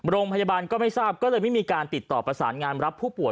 โรงพยาบาลก็ไม่ทราบก็เลยไม่มีการติดต่อประสานงานรับผู้ป่ว